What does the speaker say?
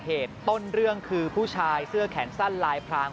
เหตุต้นเรื่องคือผู้ชายเสื้อแขนสั้นลายพราง